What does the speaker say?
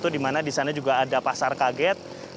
di mana di sana juga ada pasar kaget